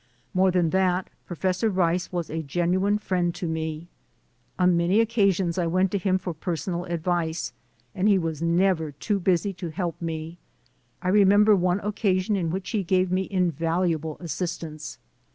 More than that, Professor Rice was a genuine friend to me. On many occasions I went to him for personal advice and he was never too busy to help me. I remember one occasion in which he gave me invaluable assistance.